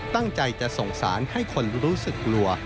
ตั้งใจจะส่งสารให้คนรู้สึกกลัว